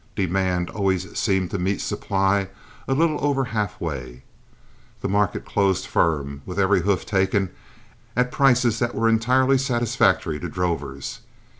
Demand always seemed to meet supply a little over half way. The market closed firm, with every hoof taken and at prices that were entirely satisfactory to drovers.